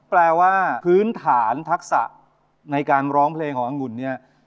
แปลว่าพื้นฐานทักษะในการร้องเพลงของอังุ่นเนี่ย